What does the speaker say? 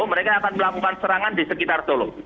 mereka akan melakukan serangan di sekitar solo